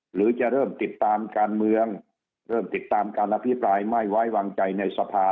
หรือจะเริ่มติดตามการเมืองเริ่มติดตามการอภิปรายไม่ไว้วางใจในสภา